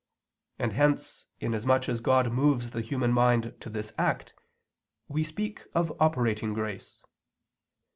And hence, inasmuch as God moves the human mind to this act, we speak of operating grace.